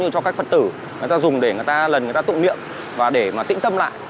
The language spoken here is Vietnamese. cho các phật tử người ta dùng để người ta lần người ta tụ niệm và để mà tĩnh tâm lại